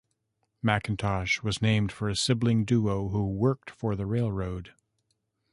McIntosh was named for a sibling duo who worked for the railroad.